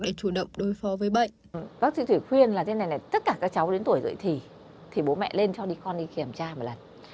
để chủ động đối phó với bệnh